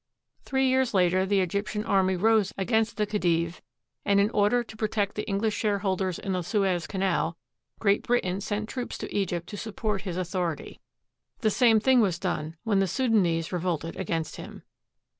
Three years later the Egyp tian army rose against the Khedive, and in order to pro tect the English shareholders in the Suez Canal, Great Britain sent troops to Egypt to support his authority. The same thing was done when the Soudanese revolted against him.